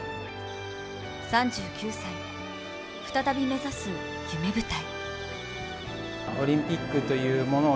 ３９歳、再び目指す夢舞台。